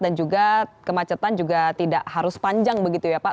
dan juga kemacetan juga tidak harus panjang begitu ya pak